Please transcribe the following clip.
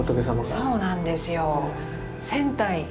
そうなんですよ。